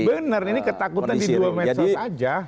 benar ini ketakutan di dua medsos saja